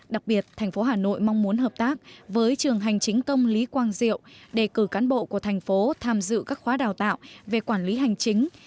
đặc biệt thành phố hà nội mong muốn hợp tác với trường hành chính công lý quang diệu để cử cán bộ của thành phố tham dự các khóa đào tạo về quản lý hành chính